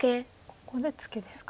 ここでツケですか。